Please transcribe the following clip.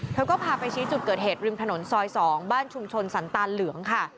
เธอก็พาไปชี้จุดเกิดเหตุริมถนนซอย๒บ้านชุมชนสันตาเหลืองค่ะ